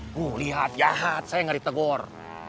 kuh lihat jahat saya ngeri tegor